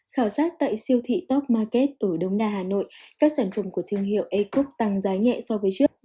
khảo sát tại siêu thị top market ở đông na hà nội các sản phẩm của thương hiệu a cook tăng giá nhẹ so với trước